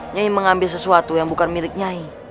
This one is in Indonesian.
nyai mengambil sesuatu yang bukan milik nyai